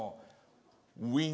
ウィン。